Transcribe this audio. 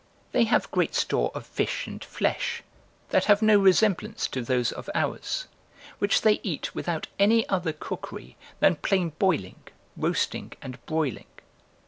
They have great store of fish and flesh, that have no resemblance to those of ours: which they eat without any other cookery, than plain boiling, roasting, and broiling.